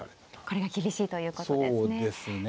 これが厳しいということですね。